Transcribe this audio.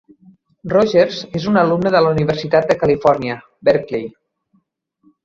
Rogers és un alumne de la Universitat de Califòrnia, Berkeley.